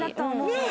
ねえ。